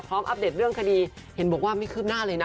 อัปเดตเรื่องคดีเห็นบอกว่าไม่คืบหน้าเลยนะ